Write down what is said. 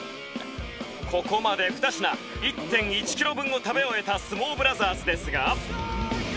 ここまで２品１．１キロ分を食べ終えた相撲ブラザーズですが。